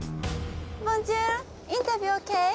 ボンジュールインタビューＯＫ？